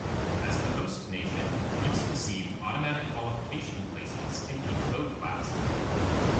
As the host nation, Greece received automatic qualification places in each boat class.